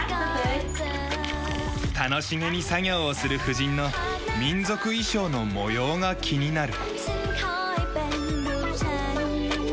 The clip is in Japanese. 楽しげに作業をする婦人の民族衣装の模様が気になる。